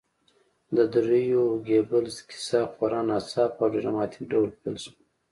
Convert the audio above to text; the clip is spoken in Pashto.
د دریو ګيبلز کیسه خورا ناڅاپه او ډراماتیک ډول پیل شوه